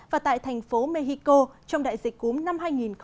và tại thành phố mexico trong đại dịch cúm năm hai nghìn chín